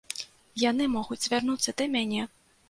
Яны могуць звярнуцца да мяне!